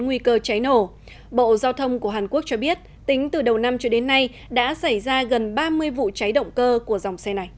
nguy cơ cháy nổ bộ giao thông của hàn quốc cho biết tính từ đầu năm cho đến nay đã xảy ra gần ba mươi vụ cháy nổ